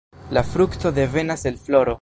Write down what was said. La frukto devenas el floro.